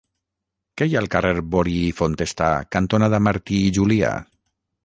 Què hi ha al carrer Bori i Fontestà cantonada Martí i Julià?